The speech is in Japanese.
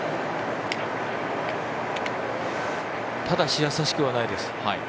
ただし易しくはないです。